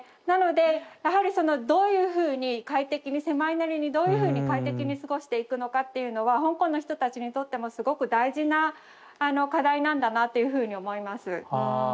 なのでやはりどういうふうに快適に狭いなりにどういうふうに快適に過ごしていくのかっていうのは香港の人たちにとってもすごく大事な課題なんだなっていうふうに思います。